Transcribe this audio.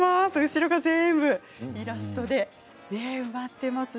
後ろが全部イラストです。